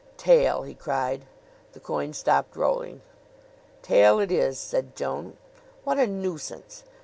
"Tail!" he cried. The coin stopped rolling. "Tail it is," said Joan. "What a nuisance!